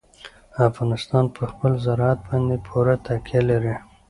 افغانستان په خپل زراعت باندې پوره تکیه لري.